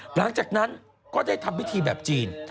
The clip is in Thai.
หลังจากนั้นก็ได้ทำพิธีแบบจีน